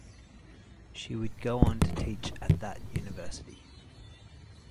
She would go on to teach at that university.